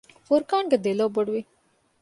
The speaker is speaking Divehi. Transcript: ފުރުޤާންގެ ދެލޯ ބޮޑުވި